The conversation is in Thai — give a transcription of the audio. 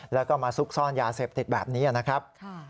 แล้วก็มาซุกซ่อนยาเสพติดแบบนี้นะครับ